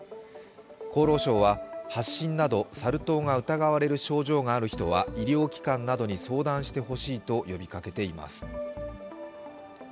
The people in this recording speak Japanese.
厚労省は発疹などサル痘が疑われる症状がある人は医療機関などに相談してほしいと呼びかけています。